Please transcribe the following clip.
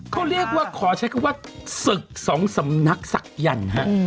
เขาเรียกว่าขอใช้คำว่าศึกสองสำนักศักยันต์ฮะ